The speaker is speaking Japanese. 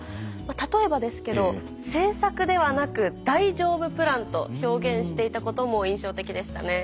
例えばですけど政策ではなく「大丈夫プラン」と表現していたことも印象的でしたね。